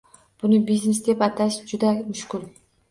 Buni biznes deb atash juda mushkul.